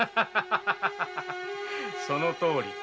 そのとおり。